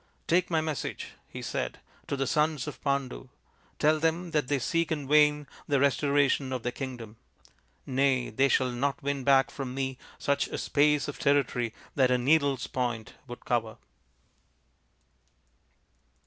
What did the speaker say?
" Take my message," he said, " to the sons of Pandu. Tell them that they seek in vain the restoration of their kingdom. Nay, they shall not win back from me such a space of territory that a needle's point would cover."